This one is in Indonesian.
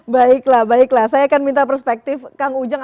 baiklah baiklah saya akan minta perspektif kang ujang